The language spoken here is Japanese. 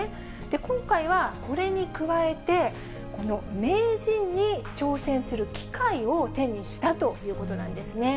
今回はこれに加えて、この名人に挑戦する機会を手にしたということなんですね。